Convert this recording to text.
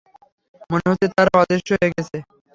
মনে হচ্ছে, তারা অদৃশ্য হয়ে গেছে।